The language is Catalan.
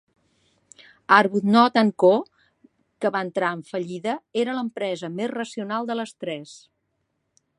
Arbuthnot and Co, que va entrar en fallida, era l'empresa més racional de les tres.